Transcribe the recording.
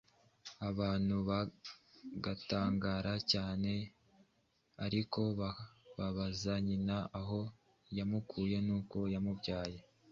abantu bagatangara cyane ariko babaza nyina aho yamukuye n'uko yamubyaye,